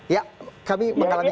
ya kami mengalami